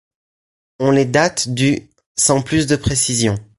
On les date du sans plus de précision.